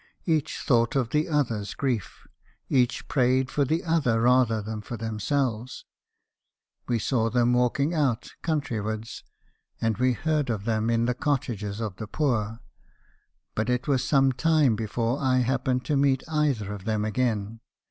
Each thought of the other's grief, — each prayed for the other rather than for themselves. We saw them walking out, country wards ; and we heard of them in the cottages of the poor. But it was some time before I happened to meet either of them again.